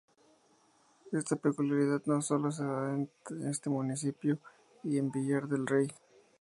Esta peculiaridad sólo se da en este municipio y en Villar del Rey.